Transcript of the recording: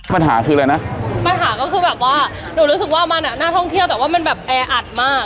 ปัญหาคืออะไรนะปัญหาก็คือแบบว่าหนูรู้สึกว่ามันอ่ะน่าท่องเที่ยวแต่ว่ามันแบบแออัดมาก